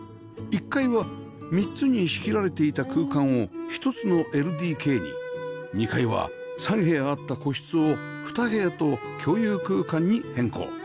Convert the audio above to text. １階は３つに仕切られていた空間を１つの ＬＤＫ に２階は３部屋あった個室を２部屋と共有空間に変更